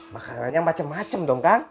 makanannya macem macem dong kang